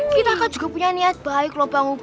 kita kan juga punya niat bahaya